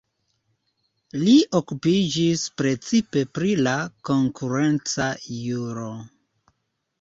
Li okupiĝis precipe pri la konkurenca juro.